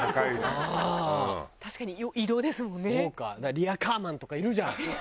リヤカーマンとかいるじゃん。